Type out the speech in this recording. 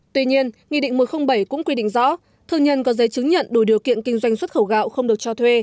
tuy nhiên nghị định một trăm linh bảy cũng quy định rõ thương nhân có giấy chứng nhận đủ điều kiện kinh doanh xuất khẩu gạo không được cho thuê